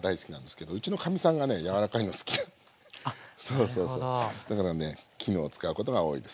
そうそうそうだからね絹を使うことが多いですね。